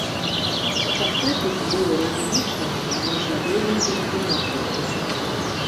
Часопіс быў разлічаны на міжнародную тэматыку.